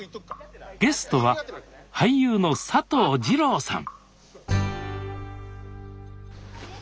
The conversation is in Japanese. ゲストは俳優の佐藤二朗さん